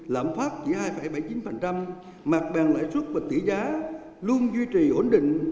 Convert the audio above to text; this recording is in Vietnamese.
lãm phát chỉ hai bảy mươi chín mạc bàn lãi xuất và tỷ giá luôn duy trì ổn định